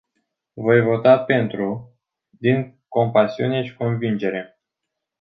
Voi vota pentru, din compasiune și convingere.